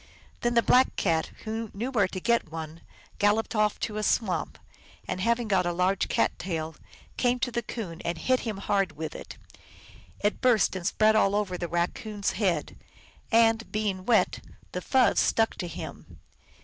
Then the Black Cat, who knew where to get one, galloped off to a swamp, and, having got a large cat tail, came to the Coon and hit him hard with it. It burst and spread all over the Raccoon s head, and, being wet, the fuzz stuck to him.